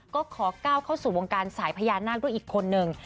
ก็ขอก้าวเข้าสู่วงการสายพญานาคด้วยอีกคนนึง